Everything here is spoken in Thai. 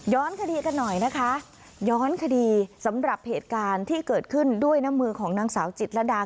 คดีกันหน่อยนะคะย้อนคดีสำหรับเหตุการณ์ที่เกิดขึ้นด้วยน้ำมือของนางสาวจิตรดา